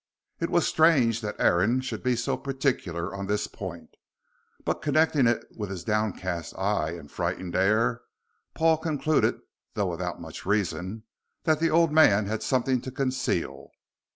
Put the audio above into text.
It was strange that Aaron should be so particular on this point, but connecting it with his downcast eye and frightened air, Paul concluded, though without much reason, that the old man had something to conceal.